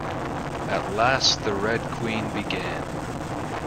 At last the Red Queen began.